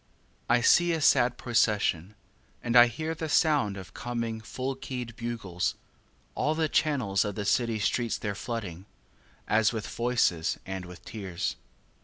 3. I see a sad procession, And I hear the sound of coming full keyed bugles; All the channels of the city streets they're flooding, As with voices and with tears.